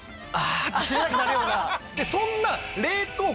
そんな。